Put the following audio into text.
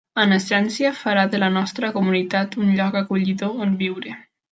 En essència, farà de la nostra comunitat un lloc acollidor on viure.